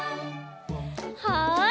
はい。